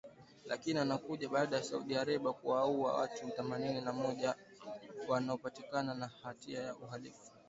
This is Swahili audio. lakini inakuja baada ya Saudi Arabia kuwaua watu themanini na mmoja waliopatikana na hatia ya uhalifu